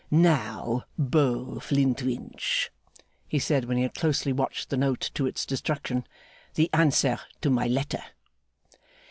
'Now, Beau Flintwinch,' he said, when he had closely watched the note to its destruction, 'the answer to my letter?